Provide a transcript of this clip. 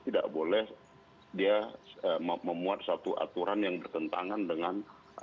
tidak boleh dia memuat satu aturan yang bertentangan dengan